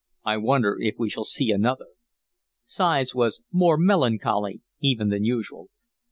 I wonder if we shall see another." Sighs was more melancholy even than usual.